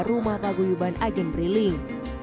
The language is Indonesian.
rumah paguyuban agen bri link